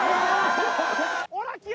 オラキオ！